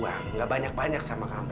minta uang gak banyak banyak sama kamu